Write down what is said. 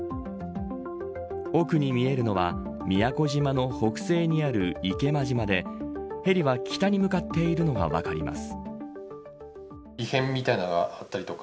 奥に見えるのは宮古島の北西にある池間島でヘリは北に向かっているのが分かります。